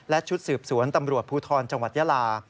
และชุดสืบสวนตำรวจภูทรจังหวัดยาลา